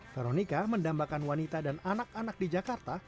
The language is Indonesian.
veronica mendambakan wanita dan anak anak di jakarta